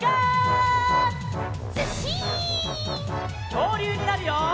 きょうりゅうになるよ！